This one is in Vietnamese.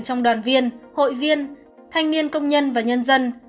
trong đoàn viên hội viên thanh niên công nhân và nhân dân